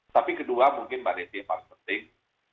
tapi kedua mungkin mbak desi yang paling penting